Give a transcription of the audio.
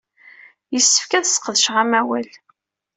Yessefk ad sqedceɣ amawal.